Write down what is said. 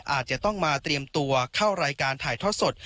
อาจจะต้องมาเตรียมตัวเข้ารายการถ่ายทอดสด